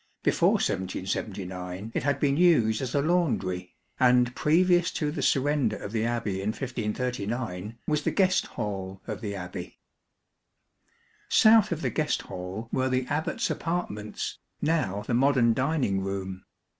Before 1779 it had been used as a laundry, and previous to the surrender of the Abbey in 1539, was the guest hall of the Abbey. South of the guest hall were the Abbat's apartments, now the modern dining room.